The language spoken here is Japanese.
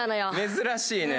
珍しいね。